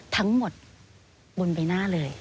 ทั้งหมดบนใบหน้าเลย